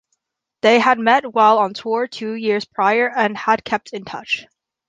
They had met while on tour two years prior and had kept in touch.